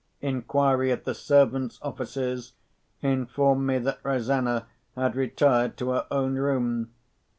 Inquiry at the servants' offices informed me that Rosanna had retired to her own room.